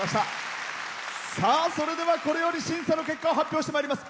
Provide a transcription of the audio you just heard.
それでは、これより審査の結果を発表してまいります。